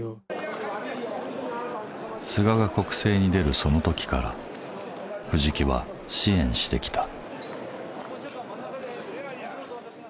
菅が国政に出るその時から藤木は支援してきた。